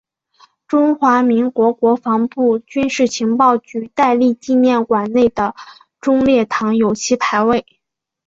中华民国国防部军事情报局戴笠纪念馆内的忠烈堂有其牌位。